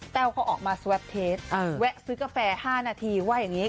แววเขาออกมาสแวปเทสแวะซื้อกาแฟ๕นาทีว่าอย่างนี้